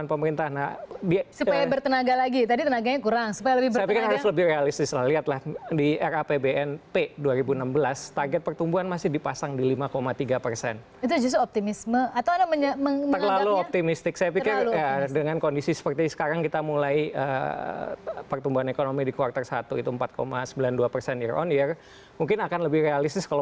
pemerintahan joko widodo